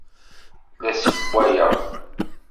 La ssewwayeɣ!